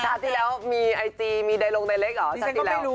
ชาติที่แล้วมีไอจีมีไดโรงไดเร็กเหรอ